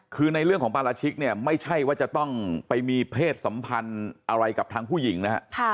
คือในเรื่องของปราชิกเนี่ยไม่ใช่ว่าจะต้องไปมีเพศสัมพันธ์อะไรกับทางผู้หญิงนะฮะ